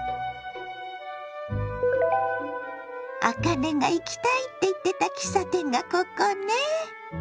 あかねが行きたいって言ってた喫茶店がここね？